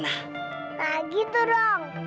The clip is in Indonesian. nah gitu dong